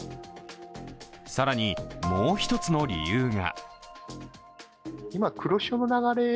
更に、もう一つの理由が。